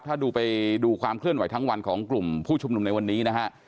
ถ้าดูไปดูความเคลื่อนไหวทั้งวันของกลุ่มผู้ชุมนุมในวันนี้นะฮะ